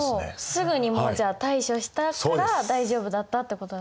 すぐにもう対処したから大丈夫だったってこと。